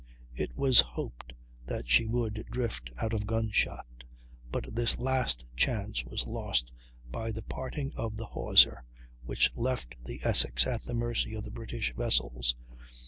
It was hoped that she would drift out of gun shot, but this last chance was lost by the parting of the hawser, which left the Essex at the mercy of the British vessels.